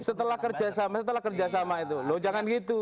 setelah kerjasama setelah kerjasama itu loh jangan gitu